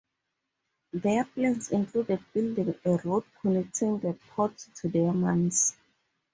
Their plans included building a road connecting the port to their mines.